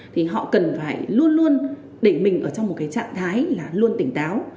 thì họ cần phải luôn luôn để mình ở trong một cái trạng thái là luôn tỉnh táo